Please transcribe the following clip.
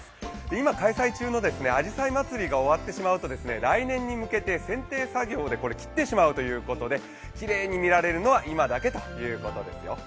今、開催中のあじさいまつりが終わってしまうと来年に向けてせん定作業で切ってしまうということできれいに見られるのは今だけということですよ。